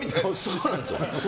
そうなんですよ。